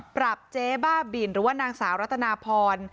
เจ๊บ้าบินหรือว่านางสาวรัตนาพร